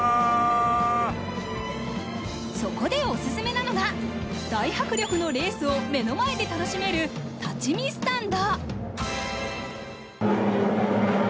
そこでオススメなのが、大迫力のレースを目の前で楽しめる立ち見スタンド。